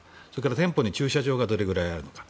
店舗に駐車場がどれくらいあるのか。